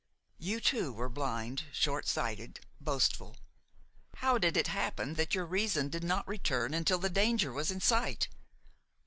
You too were blind, short sighted, boastful. How did it happen that your reason did not return until the danger was in sight?